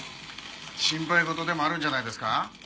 心配事でもあるんじゃないですか？